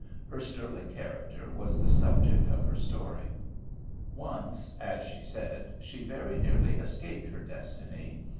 Her sterling character was the subject of her story. Once, as she said, she very nearly escaped her destiny.